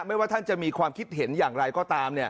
ว่าท่านจะมีความคิดเห็นอย่างไรก็ตาม